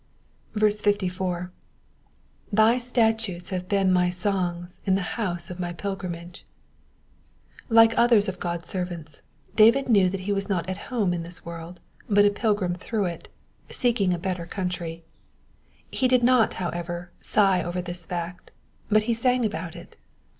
54. "2%y statutes have been my songs in the house of my pilgrimage.^ ^ Like others of God's servants, David knew that he was not at home in this world, but a pilgrim through it, seeking a better country. He did not, however, sigh over this fact, but he sang about it.